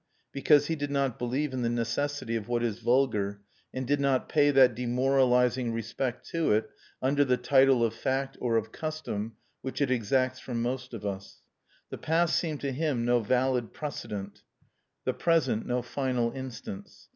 Because he did not believe in the necessity of what is vulgar, and did not pay that demoralising respect to it, under the title of fact or of custom, which it exacts from most of us. The past seemed to him no valid precedent, the present no final instance.